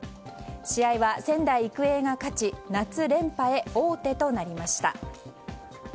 試合は仙台育英が勝ち夏連覇へ王手となりました。